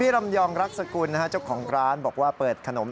รำยองรักษกุลนะฮะเจ้าของร้านบอกว่าเปิดขนม